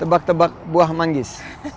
tebak tebak buah manggis